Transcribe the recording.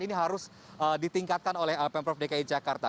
ini harus ditingkatkan oleh pemprov dki jakarta